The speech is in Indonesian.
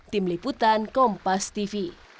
tim liputan kompas tv